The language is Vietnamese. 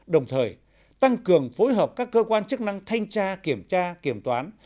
đồng thời tăng cường phối hợp các cơ quan chức năng thanh tra kiểm tra kiểm toán